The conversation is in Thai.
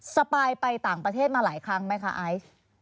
อ๋ออ๋อสปายไปต่างประเทศมาหลายครั้งไหมคะไอ้